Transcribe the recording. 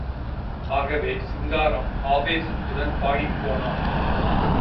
ஆகவே, சிங்காரம் ஆவேசத்துடன் பாடிப் போனான்.